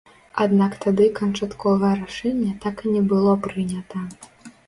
Аднак тады канчатковае рашэнне так і не было прынята.